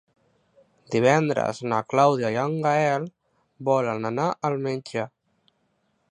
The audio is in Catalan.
Divendres na Clàudia i en Gaël volen anar al metge.